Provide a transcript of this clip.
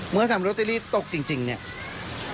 เมื่อทำโรตเตอรี่ตกจริงเนี่ย